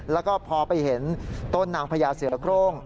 แล้วก็พอไปเห็นต้นนางพญาเสือโครง